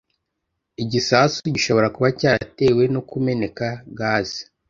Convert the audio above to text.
Igisasu gishobora kuba cyaratewe no kumeneka gaze.